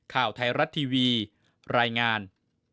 ข่าวไทยรัฐทีวีรายงาน